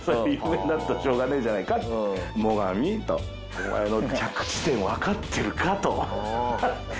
お前の着地点わかってるか？と。